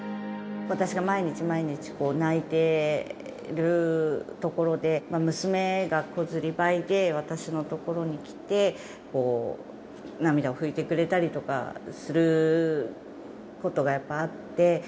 私が毎日毎日、泣いてるところで、娘がずりばいで、私の所に来て、涙を拭いてくれたりとかすることがやっぱあって。